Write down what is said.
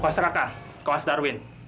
kau as raka kau as darwin